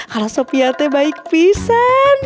kalau sophia baik bisa